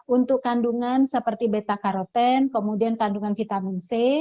untuk kandungan seperti beta karoten kemudian kandungan vitamin c